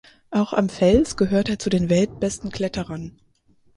Auch am Fels gehört er zu den weltbesten Kletterern.